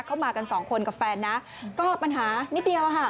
มากันสองคนกับแฟนนะก็ปัญหานิดเดียวอะค่ะ